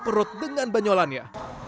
perut dengan banyolannya